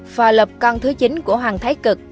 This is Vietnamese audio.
và lập con thứ chính của hoàng thái cực